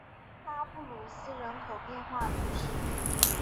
拉布鲁斯人口变化图示